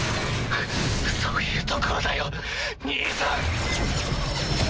そういうところだよ兄さん。